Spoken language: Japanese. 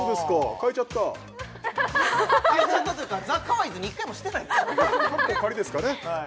変えちゃったというかザ・かわいいズに一回もしてないですかね